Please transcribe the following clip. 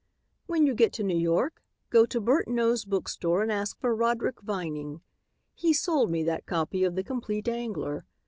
When you get to New York, go to Burtnoe's Book Store and ask for Roderick Vining. He sold me that copy of 'The Compleat Angler.'